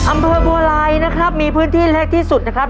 อำเภอบัวลายนะครับมีพื้นที่เล็กที่สุดนะครับ